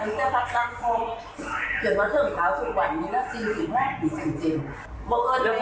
เกิดวันเที่ยงอูศภาคของฉันสุดข้างหลังมันก็สายขีดอยู่สื่อ